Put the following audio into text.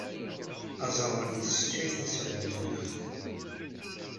Aẓawan yesseččay tasugint-nneɣ.